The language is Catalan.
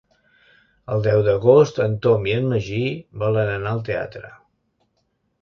El deu d'agost en Tom i en Magí volen anar al teatre.